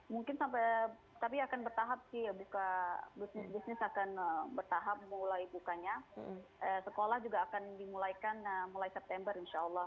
mungkin sampai tapi akan bertahap sih ya buka bisnis bisnis akan bertahap mulai bukanya sekolah juga akan dimulaikan mulai september insya allah